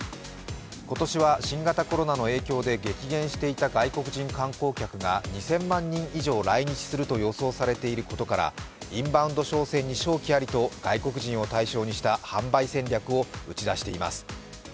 今年は新型コロナの影響で激減していた外国人観光客が２０００万人以上来日すると予想されていることからインバウンド商戦に勝機ありと外国人を対象にした販売戦略を打ち出しています。